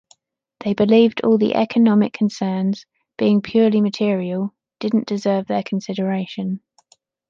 They believed all the economic concerns, being purely material, didn’t deserve their consideration.